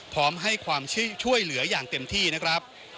พร้อมให้ความช่วยเหลืออย่างเต็มที่นะครับ